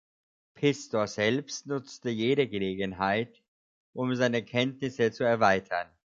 Pistor selbst nutzte jede Gelegenheit, um seine Kenntnisse zu erweitern.